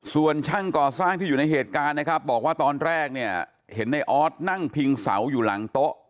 ส่วนช่างก่อสร้างที่อยู่ในเหตุการณ์นะครับบอกว่าตอนแรกเนี่ยเห็นในออสนั่งพิงเสาอยู่หลังโต๊ะ